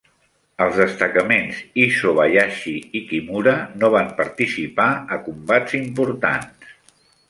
El destacaments Isobayashi i Kimura no van participar a combats importants.